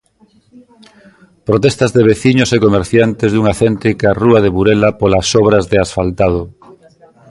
Protestas de veciños e comerciantes dunha céntrica rúa de Burela polas obras de asfaltado.